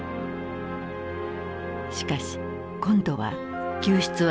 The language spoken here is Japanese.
しかし今度は救出は成功した。